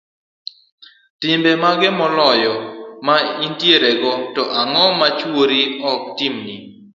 timbe mage moloyo ma intierego, to ang'o ma chuori ok timni?